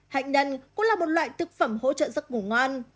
bệnh nhân cũng là một loại thực phẩm hỗ trợ giấc ngủ ngon